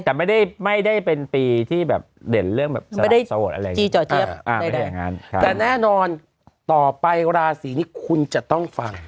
แต่ไม่ได้ไม่ได้เป็นปีที่แบบเด่นเรื่องแบบสลัดสวดอะไรอย่างนี้ไม่ได้จีจ่อเทียบใดแต่แน่นอนต่อไปราศรีนี้คุณจะต้องฟัง